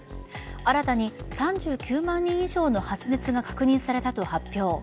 新たに３９万人以上の発熱が確認されたと発表。